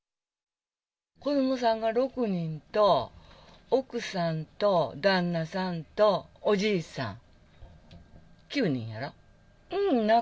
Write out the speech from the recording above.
子どもさんが６人と、奥さんと旦那さんとおじいさん、９人やな。